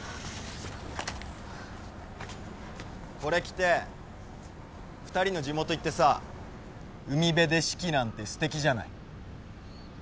これ着て２人の地元行ってさ海辺で式なんてすてきじゃない。